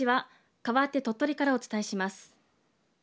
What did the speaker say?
かわって鳥取からお伝えします。